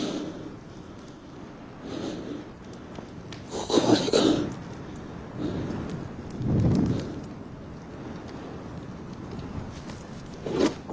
ここまでか。